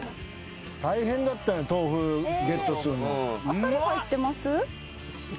大変だった豆腐ゲットするの。